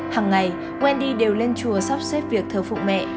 hằng ngày wendy đều lên chùa sắp xếp việc thờ phụ mẹ